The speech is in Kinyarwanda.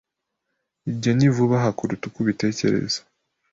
Ibyo ni vuba aha kuruta uko ubitekereza.